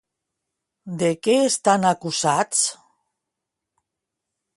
De què estan acusats?